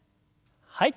はい。